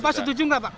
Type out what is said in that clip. bapak setuju nggak pak